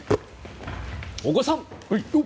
大越さん。